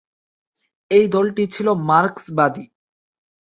এই দলটি ছিল মার্ক্সবাদী।